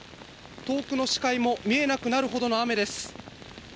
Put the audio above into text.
遠くの視界も見えなくなるほどの雨です。